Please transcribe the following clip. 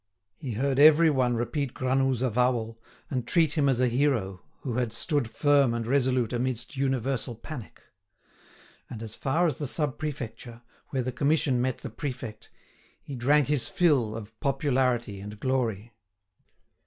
He heard everyone repeat Granoux's avowal, and treat him as a hero who had stood firm and resolute amidst universal panic. And, as far as the Sub Prefecture, where the commission met the prefect, he drank his fill of popularity and glory.